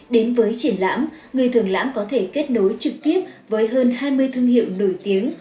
đến với triển lãm người thường lãm có thể kết nối trực tiếp với hơn hai mươi thương hiệu nổi tiếng